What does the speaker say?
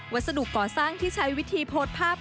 สรุปก่อสร้างที่ใช้วิธีโพสต์ภาพ